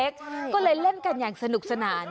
ก็เลยเล่นกันอย่างสนุกสนาน